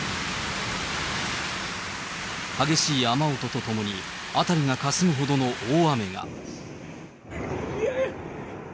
激しい雨音とともに、辺りがかすむほどの大雨が。